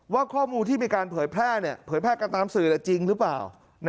ว่าข้อมูลที่มีการเผยแพร่เผยแพร่กันตามสื่อจริงหรือเปล่า